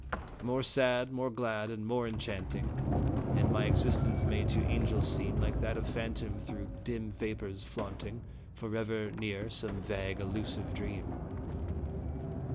More sad, more glad, and more enchanting And my existence may to angels seem Like that of phantom through dim vapors flaunting, Forever near some vague, elusive dream.